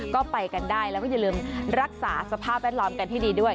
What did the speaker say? ก็ไปกันได้แล้วก็อย่าลืมรักษาสภาพแวดล้อมกันให้ดีด้วย